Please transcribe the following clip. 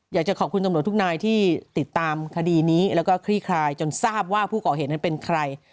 อยากจะขอบคุณตำรวจทุกนายที่ติดตามคดีนี้แล้วก็คลี่คลายจนทราบว่าผู้ก่อเหตุนั้นเป็นใคร